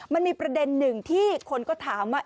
มันมีประเด็นหนึ่งที่คนก็ถามว่า